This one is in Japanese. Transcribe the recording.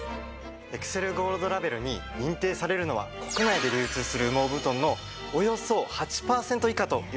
エクセルゴールドラベルに認定されるのは国内で流通する羽毛布団のおよそ８パーセント以下といわれています。